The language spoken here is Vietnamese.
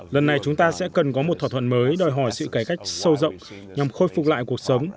lần này chúng ta sẽ cần có một thỏa thuận mới đòi hỏi sự cải cách sâu rộng nhằm khôi phục lại cuộc sống